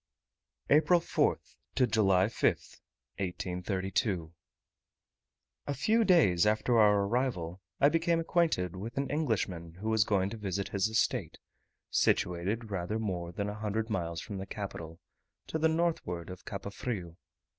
APRIL 4th to July 5th, 1832. A few days after our arrival I became acquainted with an Englishman who was going to visit his estate, situated rather more than a hundred miles from the capital, to the northward of Cape Frio.